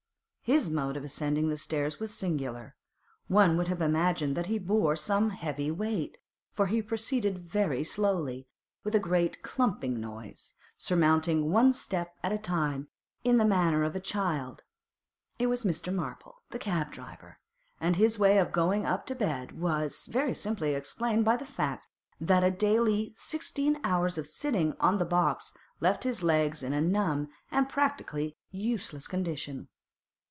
His mode of ascending the stairs was singular; one would have imagined that he bore some heavy weight, for he proceeded very slowly, with a great clumping noise, surmounting one step at a time in the manner of a child. It was Mr. Marple, the cab driver, and his way of going up to bed was very simply explained by the fact that a daily sixteen hours of sitting on the box left his legs in a numb and practically useless condition.